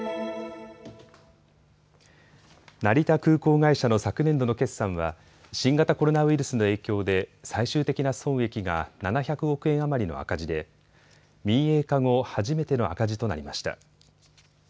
成田空港会社の昨年度の決算は新型コロナウイルスの影響で最終的な損益が７００億円余りの赤字で民営化後、初めての赤字となりました。